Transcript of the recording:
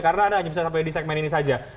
karena anda hanya bisa sampai di segmen ini saja